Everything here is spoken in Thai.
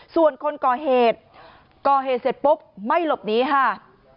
ส่วนคนก่อเหตุก่อเหตุเสร็จปุ๊บไม่หลบหนีค่ะ